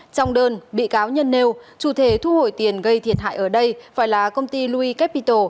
trong đơn bị cáo nhân nêu chủ thể thu hồi tiền gây thiệt hại ở đây phải là công ty loui capital